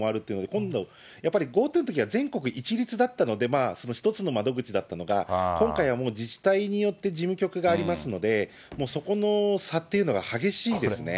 今度、やっぱりＧｏＴｏのときは、全国一律だったので、その１つの窓口だったのが、今回はもう自治体によって事務局がありますので、そこの差っていうのが激しいですね。